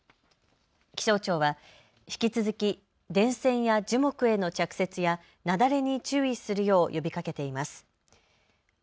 気象庁は引き続き電線や樹木への着雪や雪崩に注意するよう呼びかけています。